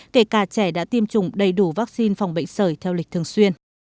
kể cả trẻ đã tiêm chủng đầy đủ vaccine phòng bệnh sởi theo lịch thường xuyên